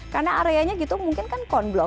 karena areanya gitu mungkin kan kornblok